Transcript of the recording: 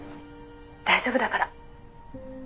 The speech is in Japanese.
大丈夫だから。